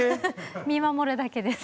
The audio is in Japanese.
見守るだけです。